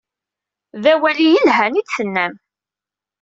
D awal i yelhan i d-tennam.